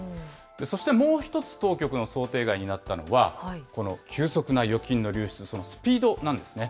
そしてもう１つ、当局の想定外になったのが、この急速な預金の流出、そのスピードなんですね。